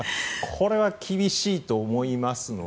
これは厳しいと思いますので。